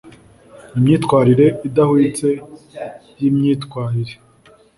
Imyitwarire idahwitse yimyitwarire